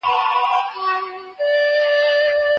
بیدار اوسئ.